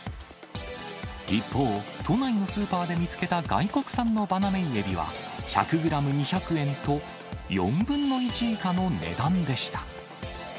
一方、都内のスーパーで見つけた外国産のバナメイエビは、１００グラム２００円と、４分の１以下の値段でした。